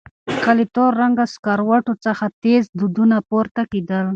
له تور رنګه سکروټو څخه تېز دودونه پورته کېدل.